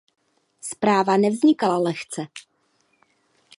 Zpráva nevznikala lehce.